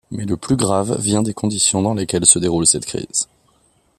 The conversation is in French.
Mais le plus grave vient des conditions dans lesquelles se déroule cette crise.